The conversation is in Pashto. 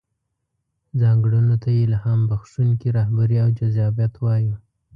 ځانګړنو ته يې الهام بښونکې رهبري او جذابيت وايو.